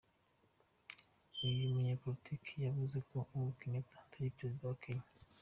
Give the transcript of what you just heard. Uyu munyapolitike yavuze ko Uhuru Kenyatta atari perezida wa Kenya.